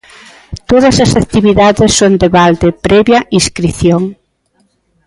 Todas as actividades son de balde previa inscrición.